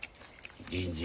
銀次。